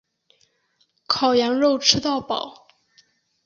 烤羊肉吃到饱